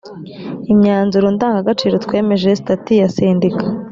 imyanzuro ndangashingiro twemeje sitati ya sendika